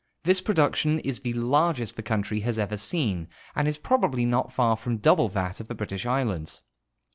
This production is the largest the country has ever seen and is probably not far from double that of the British islands.